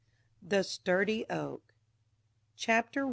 THE STURDY OAK CHAPTER I.